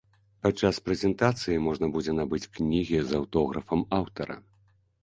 Падчас прэзентацыі можна будзе набыць кнігі з аўтографам аўтара.